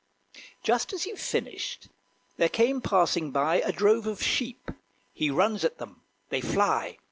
Just as he finished, there came passing by A drove of sheep. He runs at them they fly.